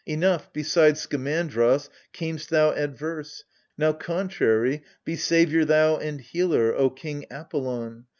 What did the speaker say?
Enough, beside Skamandros, cam'st thou adverse : Now, contrary, be saviour thou and healer, O king ApoUon